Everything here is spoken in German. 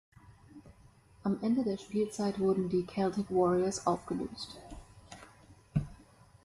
Am Ende der Spielzeit wurden die Celtic Warriors aufgelöst.